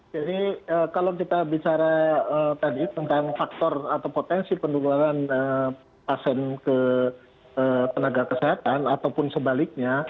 jadi kalau kita bicara tadi tentang faktor atau potensi penularan pasien ke tenaga kesehatan ataupun sebaliknya